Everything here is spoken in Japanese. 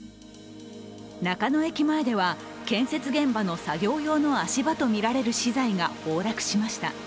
中野駅前では建設現場の作業用の足場とみられる資材が崩落しました。